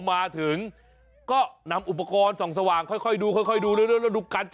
จริงมันไม่ได้ช้าเพราะว่านี้สาเหมือนกัน